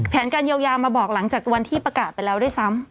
การเยียวยามาบอกหลังจากวันที่ประกาศไปแล้วด้วยซ้ำ